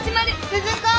・鈴子！